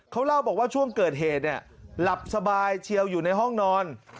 เขาเล่าบอกว่าช่วงเกิดเหตุเนี่ยหลับสบายเชียวอยู่ในห้องนอน